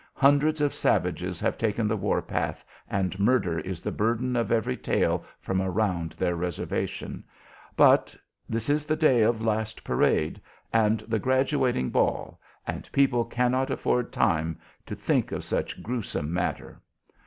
Hundreds of savages have taken the war path, and murder is the burden of every tale from around their reservation, but this is the day of "last parade" and the graduating ball, and people cannot afford time to think of such grewsome matter.